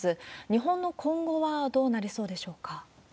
日本の今後はどうなりそうでしょうか？